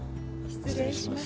失礼します。